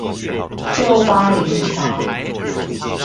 舊巴陵橋